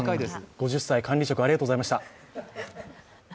５０歳、管理職、ありがとうございました。